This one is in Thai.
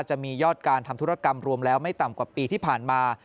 จะมียอดการทำธุรกรรมรวมแล้วไม่ต่ำกว่าปีที่ผ่านมา